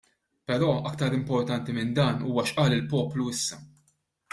Però aktar importanti minn dan huwa x'qal il-poplu issa.